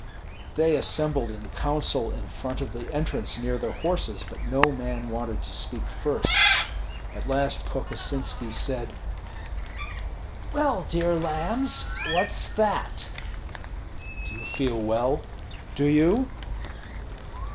They assembled in counsel in front of the entrance near their horses, but no man wanted to speak first. At last Kokosinski said, "Well, dear lambs, what's that?" "Do you feel well?" "Do you?"